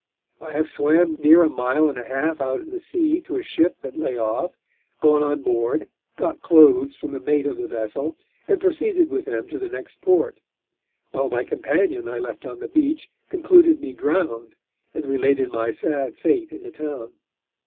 I have swam near a mile and a half out in the sea to a ship that lay off, gone on board, got clothes from the mate of the vessel, and proceeded with them to the next port; while my companion I left on the beach concluded me drowned, and related my sad fate in the town.